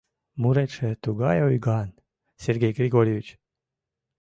— Муретше тугай ойган, Сергей Григорьевич...